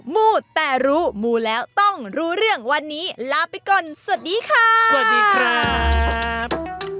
มู้แต่รู้มูแล้วต้องรู้เรื่องวันนี้ลาไปก่อนสวัสดีค่ะสวัสดีครับ